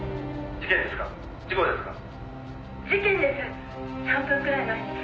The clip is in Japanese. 「事件です！